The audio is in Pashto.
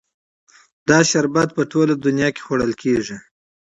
دا شربت په ټوله نړۍ کې خوړل کیږي.